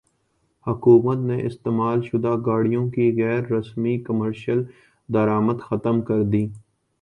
حکومت نے استعمال شدہ گاڑیوں کی غیر رسمی کمرشل درامد ختم کردی